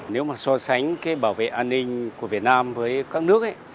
nếu mà so sánh bảo vệ an ninh của việt nam với các nước